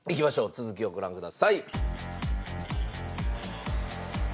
続きをご覧ください。